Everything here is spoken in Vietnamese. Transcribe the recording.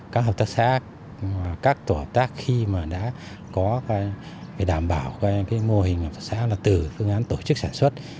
các hợp tác xã các tổ hợp tác khi mà đã có đảm bảo cái mô hình hợp tác xã là từ phương án tổ chức sản xuất